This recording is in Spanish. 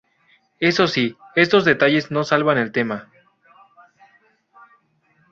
Eso sí, estos detalles no salvan el tema.